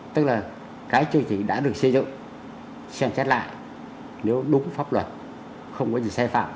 tức là bắt buộc học sinh trung học phổ thông trong ba năm